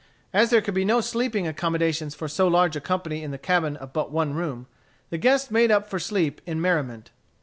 As there could be no sleeping accommodations for so large a company in the cabin of but one room, the guests made up for sleep in merriment.